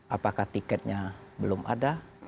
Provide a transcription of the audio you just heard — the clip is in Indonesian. apakah tiketnya belum ada